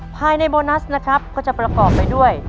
ภายในโบนัสก็จะประกอบไปด้วย